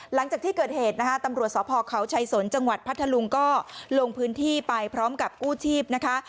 หลังจากที่เกิดเหตุนะคะตำรวจสพเขาชัยสนจังหวัดพัทธลุงก็ลงพื้นที่ไปพร้อมกับกู้ชีพนะคะ